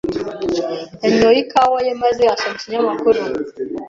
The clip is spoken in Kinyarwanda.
yanyoye ikawa ye maze asoma ikinyamakuru.